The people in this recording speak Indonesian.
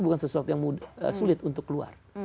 bukan sesuatu yang sulit untuk keluar